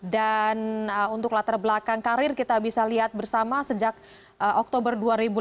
dan untuk latar belakang karir kita bisa lihat bersama sejak oktober dua ribu lima belas